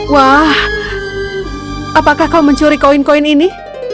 wah apakah kau mencuri koin koin ini